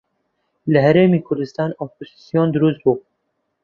لە هەرێمی کوردستان ئۆپۆزسیۆن دروست بوو